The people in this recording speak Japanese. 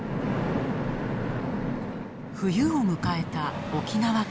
冬を迎えた沖縄県。